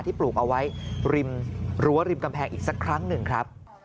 ปลูกเอาไว้ริมรั้วริมกำแพงอีกสักครั้งหนึ่งครับ